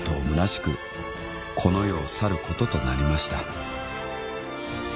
むなしくこの世を去ることとなりました